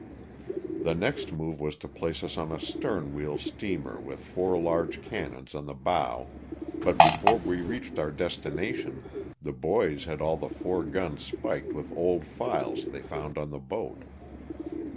The next move was to place us on a stern wheel steamer with four large cannons on the bow, but before we reached our destination the boys had all the four guns spiked with old files they found on the boat.